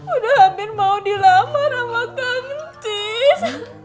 udah hampir mau dilamar sama kang cis